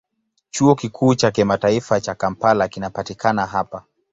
Chuo Kikuu cha Kimataifa cha Kampala kinapatikana hapa.